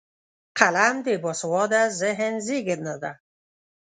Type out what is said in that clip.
قلم د باسواده ذهن زیږنده ده